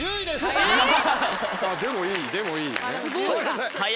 でもいいでもいい。